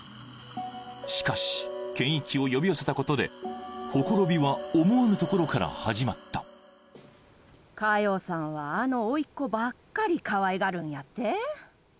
しかし健一を呼び寄せたことで綻びは思わぬところから始まった華代さんはあの甥っ子ばっかりかわいがるんやって？